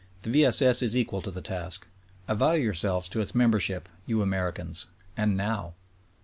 The V. S. S. is equal to the task. Avow yourselves to its membership, you Americans, and now